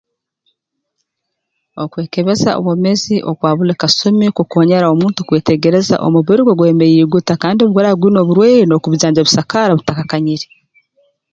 Okwekebeza obwomeezi okwa buli kasumi kukoonyera omuntu kwetegereza omubiri gwe gwemeriire guta kandi obu guraaba gwine oburwaire oine kubujanjabisa kara butakakanyire